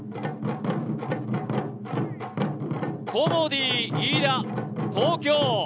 コモディイイダ・東京。